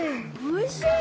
おいしい！